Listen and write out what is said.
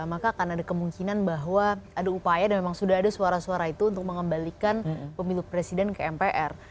maka akan ada kemungkinan bahwa ada upaya dan memang sudah ada suara suara itu untuk mengembalikan pemilu presiden ke mpr